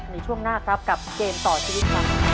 ในช่วงหน้ากับเกมต่อชีวิต